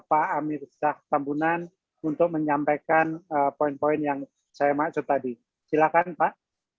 memberikan kesempatan yang pertama ke pak amir shah kampunan untuk menyampaikan poin poin yang saya maksud tadi silakan pak